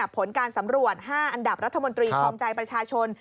ผลการสำรวจ๕อันดับรัฐมนตรีครองใจประชาชน